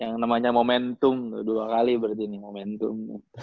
yang namanya momentum dua kali berarti ini momentum